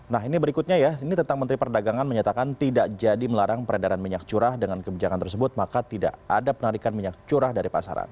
nah ini berikutnya ya ini tentang menteri perdagangan menyatakan tidak jadi melarang peredaran minyak curah dengan kebijakan tersebut maka tidak ada penarikan minyak curah dari pasaran